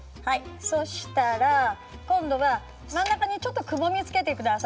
そしたら今度は真ん中にちょっとくぼみつけてください。